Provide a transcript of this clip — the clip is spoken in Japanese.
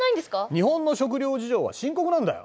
日本の食料事情は深刻なんだよ。